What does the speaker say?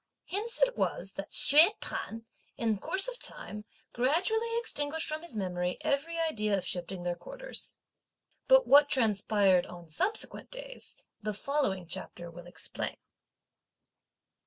Hence it was that Hsüeh P'an, in course of time gradually extinguished from his memory every idea of shifting their quarters. But what transpired, on subsequent days, the following chapter will explain.